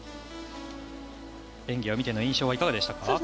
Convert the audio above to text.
演技を見ての印象はいかがですか？